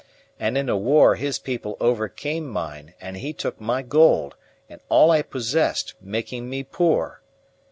And in a war his people overcame mine, and he took my gold, and all I possessed, making me poor.